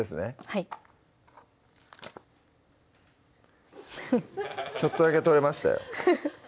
はいちょっとだけ取れましたよ